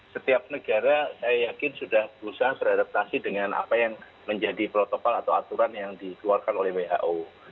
setiap negara saya yakin sudah berusaha beradaptasi dengan apa yang menjadi protokol atau aturan yang dikeluarkan oleh who